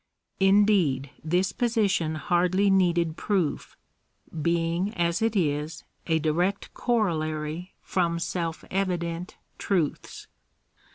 Indeed this position hardly needed proof, being, as it is, a direct corollary from self evident truths.